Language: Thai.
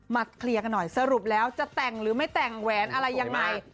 เคลียร์กันหน่อยสรุปแล้วจะแต่งหรือไม่แต่งแหวนอะไรยังไง